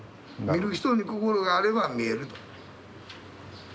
見る人に心があれば見えると。